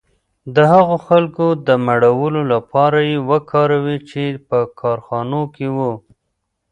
د هغو خلکو د مړولو لپاره یې وکاروي چې په کارخانو کې وو